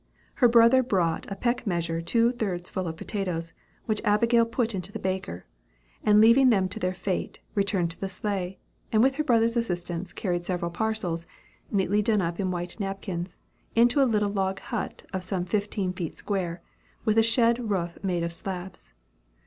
Her brother brought a peck measure two thirds full of potatoes, which Abigail put into the baker, and leaving them to their fate, returned to the sleigh, and with her brother's assistance carried several parcels, neatly done up in white napkins, into a little log hut of some fifteen feet square, with a shed roof made of slabs.